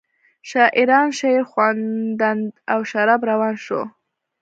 شاعران شعرخواندند او شراب روان شو.